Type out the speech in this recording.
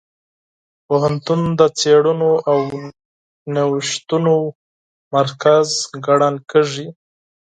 پوهنتون د څېړنو او نوښتونو مرکز ګڼل کېږي.